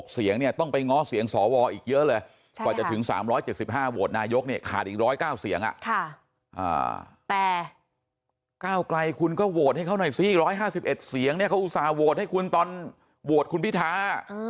๑๕๑เสียงเนี่ยเขาอุตราโหวตให้คุณตอนโหวตคุณพิธา